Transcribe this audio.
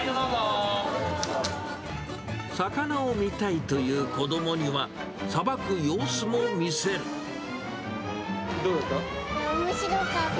魚を見たいという子どもには、どうだった？